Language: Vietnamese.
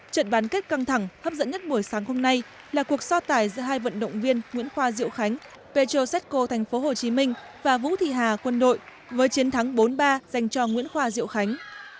trận bán kết căng thẳng hấp dẫn nhất buổi sáng hôm nay là cuộc so tài giữa hai vận động viên nguyễn khoa diệu khánh petrosetco tp hcm và vũ thị hà quân đội với chiến thắng bốn ba dành cho nguyễn khoa diệu khánh